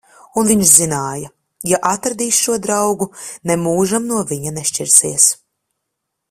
Un viņš zināja: ja atradīs šo draugu, nemūžam no viņa nešķirsies.